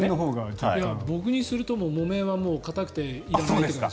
僕にすると木綿は硬くていらないという感じ。